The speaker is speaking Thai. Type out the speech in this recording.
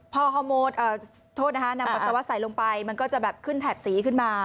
พอนำปัสสาวะใส่ลงไปมันก็จะแบบขึ้นแถบสีขึ้นมา